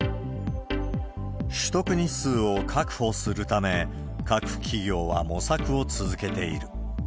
取得日数を確保するため、各企業は模索を続けている。